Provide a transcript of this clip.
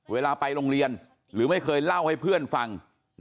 เวลาไปโรงเรียนหรือไม่เคยเล่าให้เพื่อนฟัง